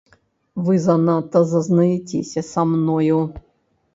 Вы занадта зазнаецеся са мною.